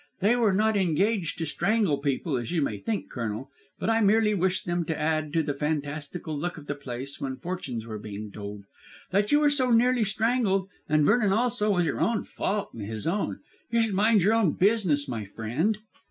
"They were not engaged to strangle people, as you may think, Colonel, but I merely wished them to add to the fantastical look of the place when fortunes were being told. That you were so nearly strangled, and Vernon also, was your own fault and his own. You should mind your own business, my friend."